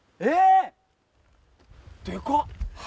でかっ！